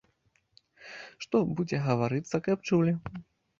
Што будзе гаварыцца, каб чулі.